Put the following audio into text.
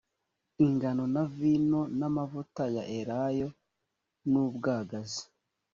ingano na vino n’amavuta ya elayo n’ubwagazi